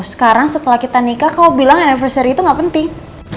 sekarang setelah kita nikah kau bilang hanversary itu gak penting